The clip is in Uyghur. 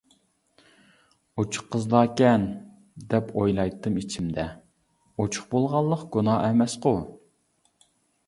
«ئوچۇق قىزلاركەن» دەپ ئويلايتتىم ئىچىمدە، ئوچۇق بولغانلىق گۇناھ ئەمەسقۇ.